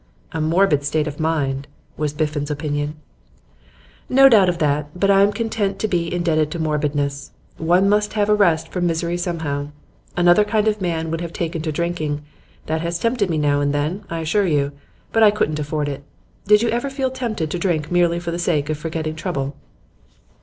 'A morbid state of mind,' was Biffen's opinion. 'No doubt of that, but I am content to be indebted to morbidness. One must have a rest from misery somehow. Another kind of man would have taken to drinking; that has tempted me now and then, I assure you. But I couldn't afford it. Did you ever feel tempted to drink merely for the sake of forgetting trouble?